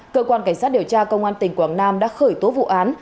cơ quan cảnh sát điều tra công an tỉnh quảng nam đã khởi tố vụ án